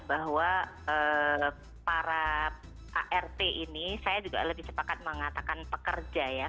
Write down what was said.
bahwa para art ini saya juga lebih sepakat mengatakan pekerja ya